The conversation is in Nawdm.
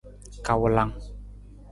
Kawulang.